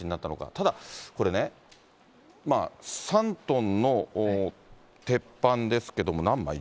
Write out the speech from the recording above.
ただ、これね、まあ、３トンの鉄板ですけども、何枚？